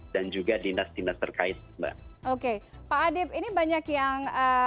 dan juga dinas dinas terkait mbak oke pak adip ini banyak yang